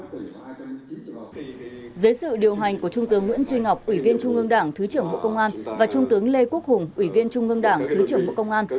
dưới sự điều hành của trung tướng nguyễn duy ngọc ủy viên trung ương đảng thứ trưởng bộ công an và trung tướng lê quốc hùng ủy viên trung ương đảng thứ trưởng bộ công an